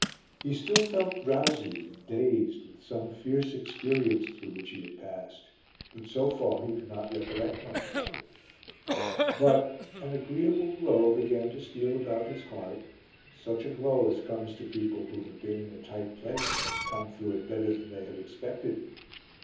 He still felt drowsy and dazed with some fierce experience through which he had passed, but so far he could not recollect much about it. But an agreeable glow began to steal about his heart such a glow as comes to people who have been in a tight place and have come through it better than they had expected.